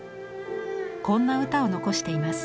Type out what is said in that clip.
こんな歌を残しています。